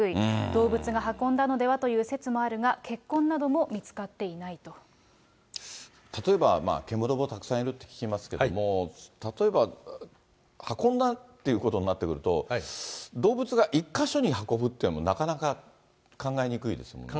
動物が運んだのではという説もあるが、例えば、獣もたくさんいるって聞きますけども、例えば運んだっていうことになってくると、動物が１か所に運ぶっていうのもなかなか考えにくいですもんね。